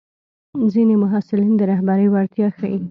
ځینې محصلین د رهبرۍ وړتیا ښيي.